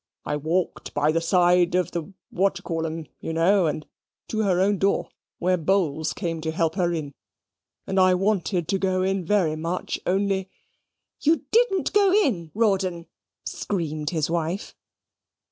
I walked by the side of the what dy'e call 'em, you know, and to her own door, where Bowls came to help her in. And I wanted to go in very much, only " "YOU DIDN'T GO IN, Rawdon!" screamed his wife.